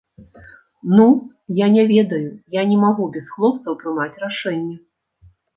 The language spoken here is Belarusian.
Ну, я не ведаю, я не магу без хлопцаў прымаць рашэнне.